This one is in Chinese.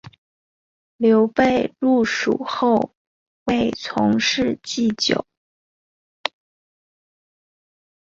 刘备入蜀后为从事祭酒。